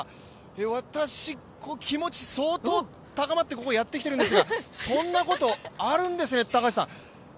私、気持ち相当高まってここやってきてるんですがそんなことあるんですね。